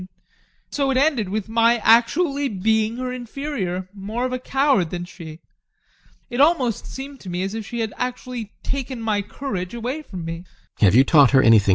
And so it ended with my actually being her inferior, more of a coward than she. It almost seemed to me as if she had actually taken my courage away from me.